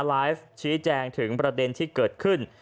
ไลฟ์ชี้แจงถึงประเด็นที่เกิดขึ้น